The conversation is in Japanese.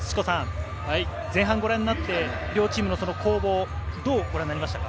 前半ご覧になって両チームの攻防、どうご覧になりましたか？